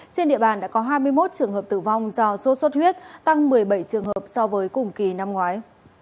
trên địa bàn đã có hai mươi một trường hợp tử vong do sốt xuất huyết tăng một mươi bảy trường hợp so với cùng kỳ năm ngoái